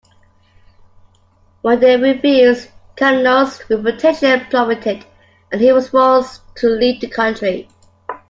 When they refused, Calonne's reputation plummeted and he was forced to leave the country.